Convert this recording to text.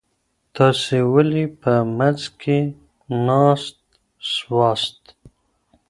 تاسي ولي په مځکي ناست سواست؟